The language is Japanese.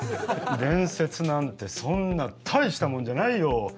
伝説なんてそんな大したもんじゃないよ。